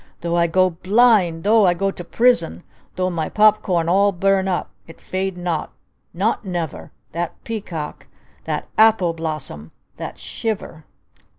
Though I go blind! Though I go prison! Though my pop corn all burn up! It fade not! Not never! That peacock! That apple blossom! That shiver!"